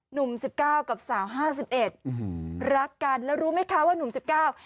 หนุ่มสิบเก้ากับสาวห้าสิบเอ็ดอืมรักกันแล้วรู้ไหมคะว่าหนุ่มสิบเก้า